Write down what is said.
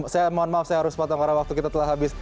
saya mohon maaf saya harus potong karena waktu kita telah habis